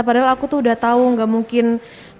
padahal aku tuh udah tau gak mungkin